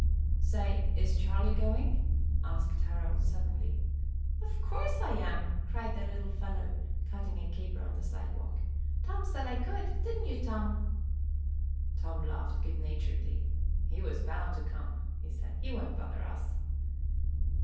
"Say, is Charlie going?" asked Harold, suddenly. "Of course I am!" cried the little fellow, cutting a caper on the sidewalk. "Tom said I could. Didn't you, Tom?" Tom laughed good naturedly. "He was bound to come," he said. "He won't bother us."